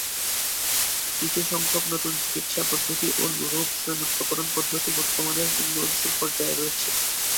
কিছু সংখ্যক নতুন চিকিৎসা পদ্ধতি ও রোগ শনাক্তকরণ পদ্ধতি বর্তমানে উন্নয়নশীল পর্যায়ে রয়েছে।